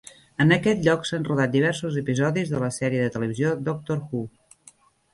En aquest lloc s'han rodat diversos episodis de la sèrie de TV Doctor Who.